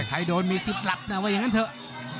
ใครโดนมีสิทธิ์หลับนะว่าอย่างนั้นเถอะ